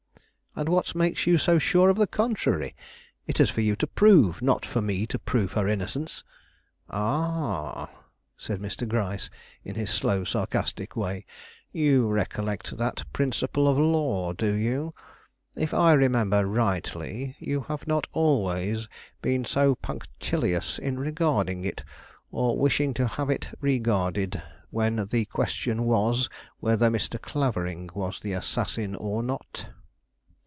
"And what makes you so sure of the contrary? It is for you to prove, not for me to prove her innocence." "Ah," said Mr. Gryce, in his slow, sarcastic way, "you recollect that principle of law, do you? If I remember rightly, you have not always been so punctilious in regarding it, or wishing to have it regarded, when the question was whether Mr. Clavering was the assassin or not."